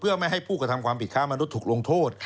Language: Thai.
เพื่อไม่ให้ผู้กระทำความผิดค้ามนุษย์ถูกลงโทษ